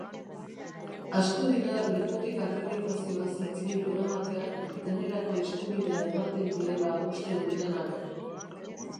Asko dira lepotik akreditazioa zintzilik eramateak denerako eskubidea ematen diela uste dutenak.